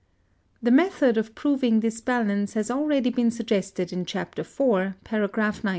] (106) The method of proving this balance has already been suggested in Chapter IV., paragraph 93.